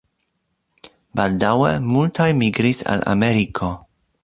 Baldaŭe multaj migris al Ameriko.